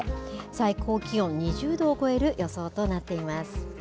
最高気温２０度を超える予想となっています。